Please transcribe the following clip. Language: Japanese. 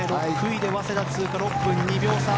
６位で早稲田通過６分２秒差